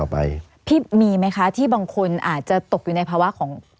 ไปพี่มีไหมคะที่บางคนอาจจะตกอยู่ในภาวะของ